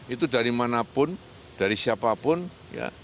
itu dari manapun dari siapapun ya